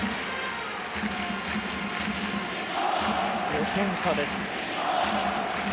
５点差です。